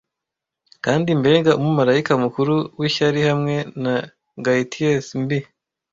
kandi mbega umumarayika mukuru w'ishyari hamwe na gaieties mbi